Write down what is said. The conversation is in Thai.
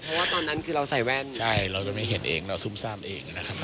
เพราะว่าตอนนั้นคือเราใส่แว่นใช่เราจะไม่เห็นเองเราซุ่มซ่ามเองนะครับ